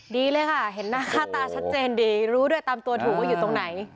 ดีเลยค่ะเห็นหน้าค่าตาชัดเจนดีรู้ด้วยตามตัวถูกว่าอยู่ตรงไหน